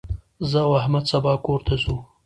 زه او احمد سبا کور ته ځو.